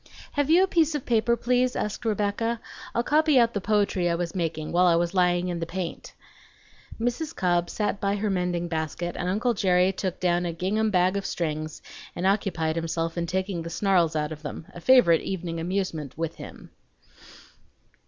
"Have you a piece of paper, please?" asked Rebecca. "I'll copy out the poetry I was making while I was lying in the paint." Mrs. Cobb sat by her mending basket, and uncle Jerry took down a gingham bag of strings and occupied himself in taking the snarls out of them, a favorite evening amusement with him.